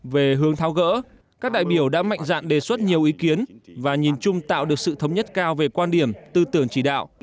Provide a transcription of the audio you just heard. về hướng thao gỡ các đại biểu đã mạnh dạng đề xuất nhiều ý kiến và nhìn chung tạo được sự thống nhất cao về quan điểm tư tưởng chỉ đạo